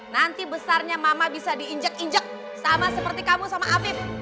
nanti besarnya mama bisa diinjek injek sama seperti kamu sama amir